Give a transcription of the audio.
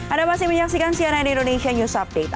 anda masih menyaksikan cnn indonesia news update